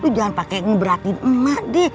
lu jangan pake ngeberatin emak deh